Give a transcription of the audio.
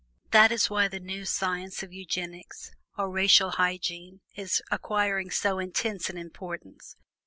That is why the new science of eugenics or racial hygiene is acquiring so immense an importance.